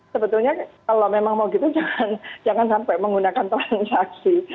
sebetulnya kalau memang mau gitu jangan sampai menggunakan transaksi